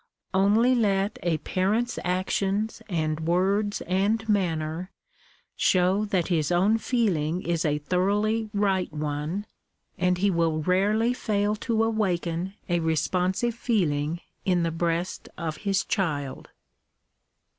Only let a parent's actions and words and manner show that his own feeling is a thoroughly right one, and he will rarely fail to awaken a responsive feeling in the breast of his child.